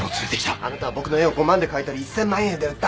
あなたは僕の絵を５万で買い取り１，０００万円で売った。